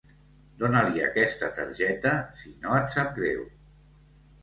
Dona-li aquesta targeta si no et sap greu.